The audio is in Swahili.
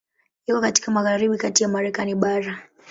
Iko katika magharibi kati ya Marekani bara.